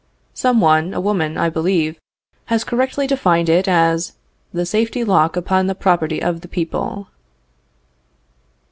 Some one, a woman I believe, has correctly defined it as "the safety lock upon the property of the people."